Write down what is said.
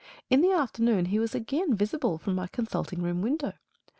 In the afternoon he was again visible from my consulting room window.